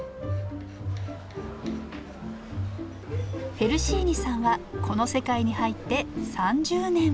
フェルシーニさんはこの世界に入って３０年。